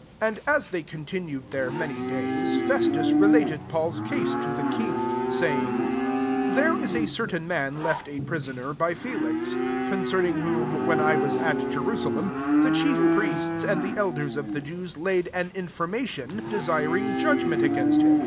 14 And as they continued there many days, Festus related Paul's case to the king, saying, "There is a certain man Idft a prisoner by Felix: 15 con cerning whom, when I was at Jerusalem , the chief piiests and the elders of the Jews laid an information, desiring jadg ment agdnst him.